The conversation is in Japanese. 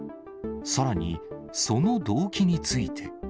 さらに、その動機について。